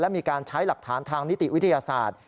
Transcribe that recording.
มีการใช้หลักฐานทางนิติวิทยาศาสตร์